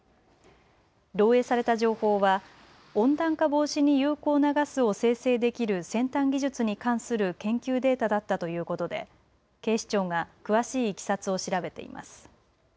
漏えいされた情報は温暖化防止に有効なガスを生成できる先端技術に関する研究データだったということで警視庁が詳しいいきさつを調べています。